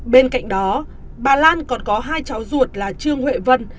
bên cạnh đó bà lan còn có hai cháu ruột là trương huệ vân